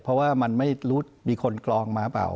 เพราะว่ามันไม่รู้มีคนกรองมาเปล่า